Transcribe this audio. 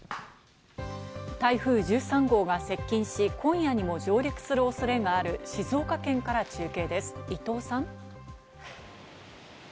台風１３号が接近し、今夜にも上陸するおそれがある静岡県から中継です、伊藤さん。